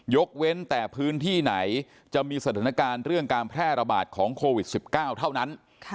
เว้นแต่พื้นที่ไหนจะมีสถานการณ์เรื่องการแพร่ระบาดของโควิด๑๙เท่านั้น